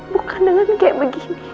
bukan dengan kayak begini